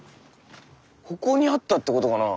ここにあったってことかなあ。